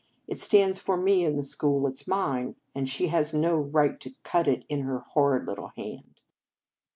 It stands for me in the school, it s mine, and she has no right to cut it on her horrid little hand."